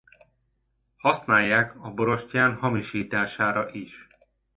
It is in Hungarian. Használják a borostyán hamisítására is.